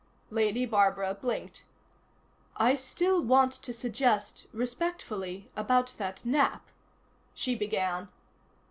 Lady Barbara blinked. "I still want to suggest, respectfully, about that nap " she began.